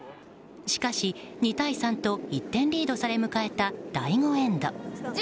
しかし２対３と１点リードされ迎えた第５エンド。